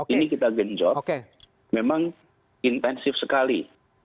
ini kita genjot memang intensif sekali